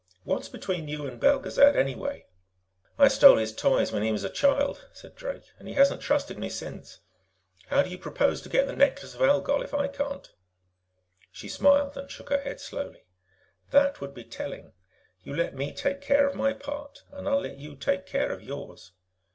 "What's between you and Belgezad, anyway?" "I stole his toys when he was a child," said Drake, "and he hasn't trusted me since. How do you propose to get the Necklace of Algol if I can't?" She smiled and shook her head slowly. "That would be telling. You let me take care of my part, and I'll let you take care of yours."